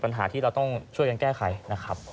ปัญหาที่เราต้องช่วยกันแก้ไขนะครับ